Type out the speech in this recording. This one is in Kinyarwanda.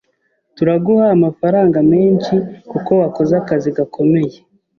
Turaguha amafaranga menshi kuko wakoze akazi gakomeye.